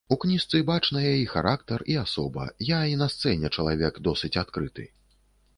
У кніжцы бачныя і характар, і асоба, я і на сцэне чалавек досыць адкрыты.